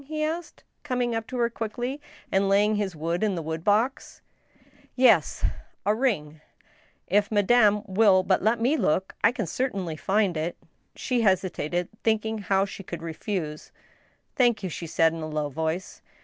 he asked, coming up to her quickly, and laying his wood in the wood box. " Yes ;... a ring." If madame will but let me look, I can certainly find it." She hesitated, thinking how she could refuse. " Thank you," she said, in a low voice.